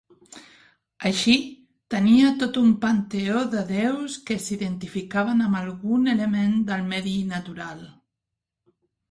Així, tenia tot un panteó de déus que s'identificaven amb algun element del medi natural.